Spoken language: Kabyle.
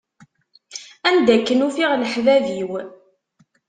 Anda akken ufiɣ leḥbab-iw.